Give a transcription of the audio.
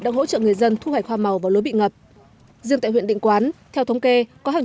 đang hỗ trợ người dân thu hoạch hoa màu vào lối bị ngập riêng tại huyện định quán theo thống kê có hàng